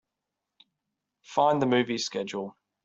Fine the movie schedule.